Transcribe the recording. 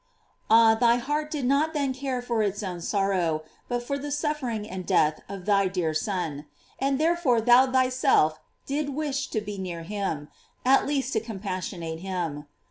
Ah, thy heart did not then care for its own sor row, but for the suffering and death of thy dear Son; and therefore thou thyself didst wish to be near him, at least to compassionate him.